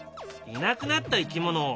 いなくなった生き物